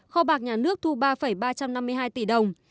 kho bạc nhà nước thu ba ba trăm năm mươi hai tỷ đồng